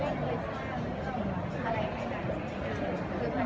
มันเป็นสิ่งที่จะให้ทุกคนรู้สึกว่า